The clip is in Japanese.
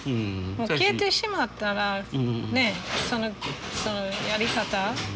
消えてしまったらそのやり方